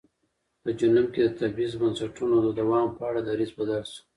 په جنوب کې د تبعیض بنسټونو د دوام په اړه دریځ بدل شو.